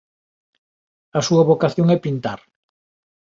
A súa vocación é pintar